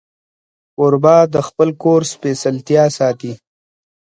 کوربه د خپل کور سپېڅلتیا ساتي.